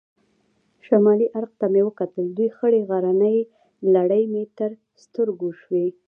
شمالي اړخ ته مې وکتل، دوې خړې غرنۍ لړۍ مې تر سترګو شوې.